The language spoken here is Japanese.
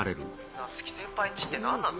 夏希先輩ん家って何なの？